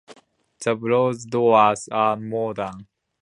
The bronze doors are modern.